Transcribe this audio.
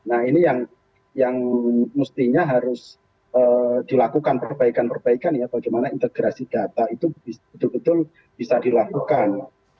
nah ini yang mestinya harus dilakukan perbaikan perbaikan ya bagaimana integrasi data itu betul betul bisa dilakukan